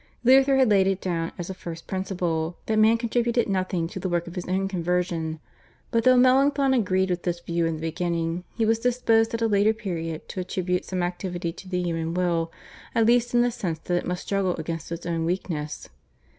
Luther had laid it down as a first principle that man contributed nothing to the work of his own conversion, but though Melanchthon agreed with this view in the beginning, he was disposed at a later period to attribute some activity to the human will, at least in the sense that it must struggle against its own weakness.